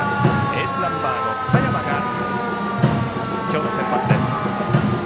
エースナンバーの佐山が今日の先発です。